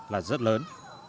là rất lớn